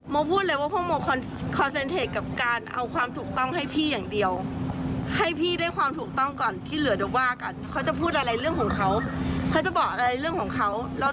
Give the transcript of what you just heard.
โมพูดเลยว่าพวกโมคอนเซ็นเทคกับการ